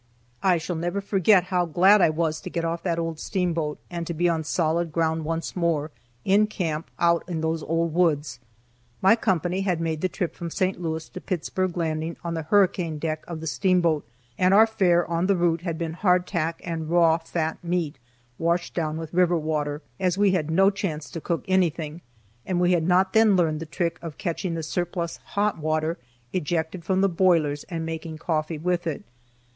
I shall never forget how glad I was to get off that old steamboat and be on solid ground once more, in camp out in those old woods. My company had made the trip from St. Louis to Pittsburg Landing on the hurricane deck of the steamboat, and our fare on the route had been hardtack and raw fat meat, washed down with river water, as we had no chance to cook anything, and we had not then learned the trick of catching the surplus hot water ejected from the boilers and making coffee with it.